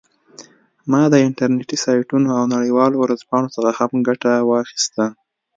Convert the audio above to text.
ما د انټرنیټي سایټونو او نړیوالو ورځپاڼو څخه هم ګټه واخیسته